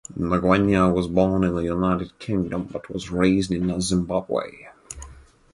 Ngwenya was born in the United Kingdom but was raised in Zimbabwe.